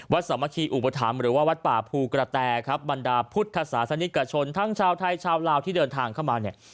สามัคคีอุปถัมภ์หรือว่าวัดป่าภูกระแตครับบรรดาพุทธศาสนิกชนทั้งชาวไทยชาวลาวที่เดินทางเข้ามาเนี่ย